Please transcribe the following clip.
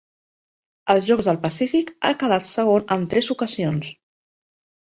Als Jocs del Pacífic ha quedat segon en tres ocasions.